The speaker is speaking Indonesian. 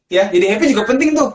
ya jadi happy juga penting tuh